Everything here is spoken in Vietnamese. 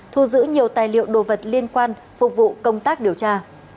thu giữ nhiều tài liệu đồ vật liên quan phục vụ công tác điều tra